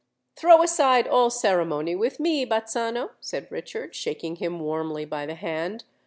"Throw aside all ceremony with me, Bazzano," said Richard, shaking him warmly by the hand.